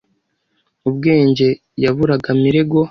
Ubwenge yaburaga Mirego